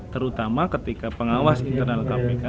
terutama ketika pengawas internal kpk